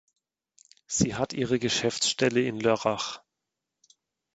Sie hat ihre Geschäftsstelle in Lörrach.